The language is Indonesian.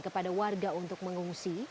kepada warga untuk mengungsi